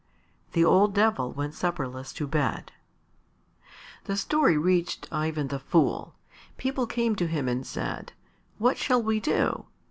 The old Devil went supperless to bed. The story reached Ivan the Fool. People came to him and said, "What shall we do?